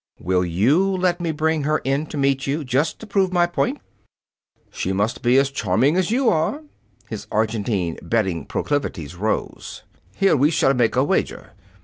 "Will you let me bring her in to meet you, just to prove my point?" "She must be as charming as you are." His Argentine betting proclivities rose. "Here; we shall make a wager!"